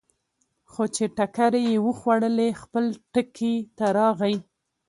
خو چې ټکرې یې وخوړلې، خپل ټکي ته راغی.